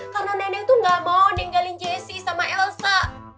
karena nenek itu gak mau ninggalin jessi sama elsa